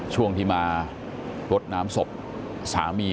ช่วงที่มารดน้ำศพสามี